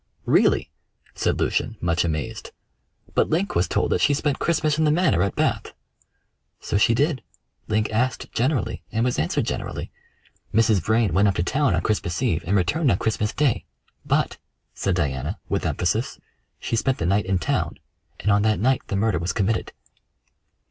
"Really!" said Lucian much amazed. "But Link was told that she spent Christmas in the Manor at Bath." "So she did. Link asked generally, and was answered generally. Mrs. Vrain went up to town on Christmas Eve and returned on Christmas Day; but," said Diana, with emphasis, "she spent the night in town, and on that night the murder was committed."